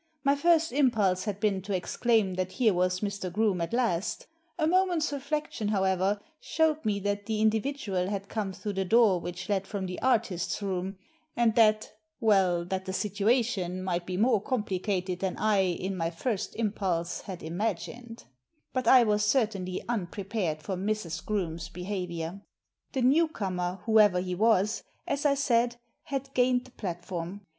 My first impulse had been to exclaim that here was Mr. Groome at last A moment's reflection, however, showed me that the individual had come through the door which led from the artists' room, and that — well, that the situa tion might be more complicated than I, in my first impulse, had imagined But I was certainly un prepared for Mrs. Groome's behaviour. The new comer, whoever he was, as I said, had gained the platform.